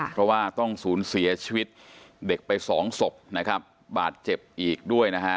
เพราะว่าต้องศูนย์เสียชีวิตเด็กไปสองศพนะครับบาดเจ็บอีกด้วยนะฮะ